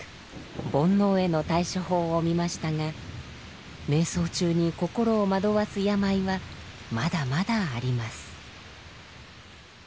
煩悩への対処法を見ましたが瞑想中に心を惑わす病はまだまだあります。